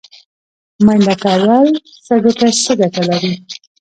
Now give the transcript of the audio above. منډه کول سږو ته څه ګټه لري؟